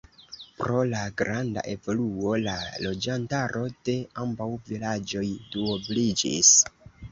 Pro la granda evoluo la loĝantaro de ambaŭ vilaĝoj duobliĝis.